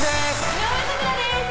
井上咲楽です